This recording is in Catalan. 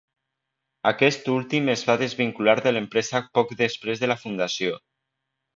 Aquest últim es va desvincular de l'empresa poc després de la fundació.